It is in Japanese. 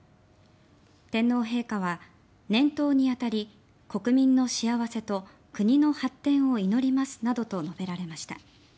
天皇陛下は年頭に当たり国民の幸せと国の発展を祈りますなどと述べられました。